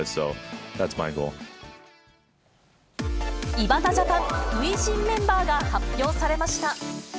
井端ジャパン、初陣メンバーが発表されました。